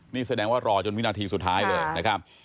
นี่แสดงว่ารอจนวินาทีสุดท้ายเลยนะครับ